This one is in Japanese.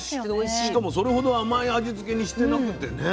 しかもそれほど甘い味つけにしてなくてね。